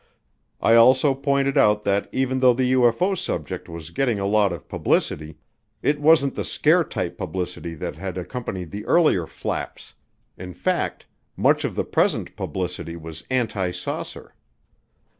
I also pointed out that even though the UFO subject was getting a lot of publicity, it wasn't the scare type publicity that had accompanied the earlier flaps in fact, much of the present publicity was anti saucer.